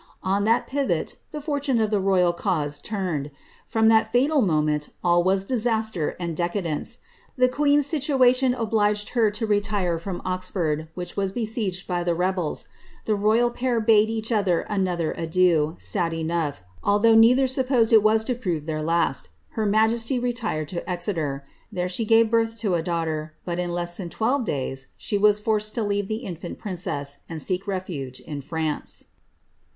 On that pivot the fortune of the royal eanse turned. From that fatal moment all was disaster and decadence. The queen's situation obliged her to retire from Oxford, which was besieged by the re!yel«. The royal pair bade each other an adieu, sad enough, although neither supffosed it vms to prove tiieir last. Her majesty retired to Exeter. There she ^ve birth to a daughter; but. in less than twelve days, she was forced to leave the infant princess, and seek refuge in France.